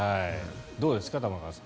どうですか玉川さん。